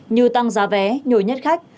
như tăng giá vé nhồi nhất khách